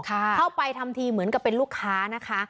เข้าไปทำทีเหมือนกับเป็นลูกค้านะคะ